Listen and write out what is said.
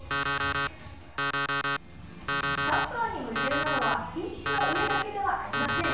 サッカーに夢中なのはピッチの上だけではありません。